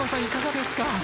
いかがですか？